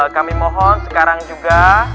kami mohon sekarang juga